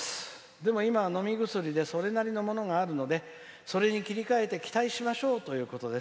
でも今は飲み薬でそれなりのものがあるのでそれに切り替えて期待しましょうということです。